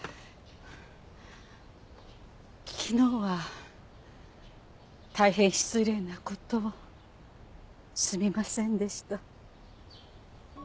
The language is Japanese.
昨日は大変失礼な事をすみませんでした。